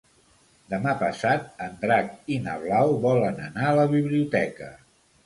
Demà passat en Drac i na Blau volen anar a la biblioteca.